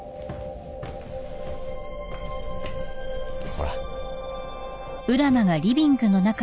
ほら。